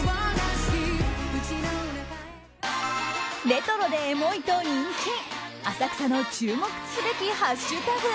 レトロでエモいと人気浅草の注目すべきハッシュタグ。